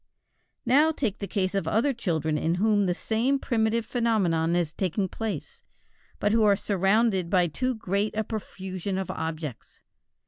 Now take the case of other children in whom the same primitive phenomenon is taking place, but who are surrounded by too great a profusion of objects.